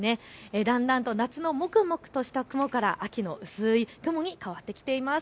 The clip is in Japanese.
だんだんと夏のもくもくとした雲から秋の薄い雲に変わってきています。